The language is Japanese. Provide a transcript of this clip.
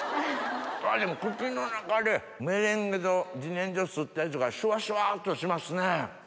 口の中でメレンゲと自然薯すったやつがシュワシュワっとしますね。